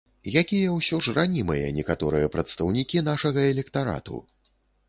Якія ўсё ж ранімыя некаторыя прадстаўнікі нашага электарату!